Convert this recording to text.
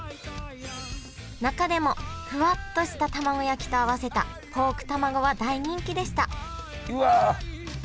中でもふわっとしたたまご焼きと合わせたポークたまごは大人気でしたうわ